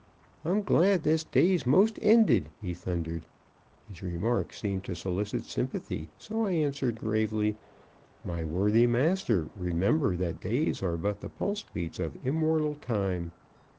"I'm glad this day's most ended!" he thundered. His remark seemed to solicit sympathy, so I answered gravely, "My worthy master, remember that days are but the pulse beats of immortal time.